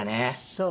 そう。